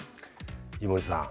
井森さん。